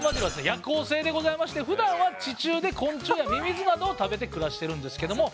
夜行性でございましてふだんは地中で昆虫やミミズなどを食べて暮らしてるんですけども。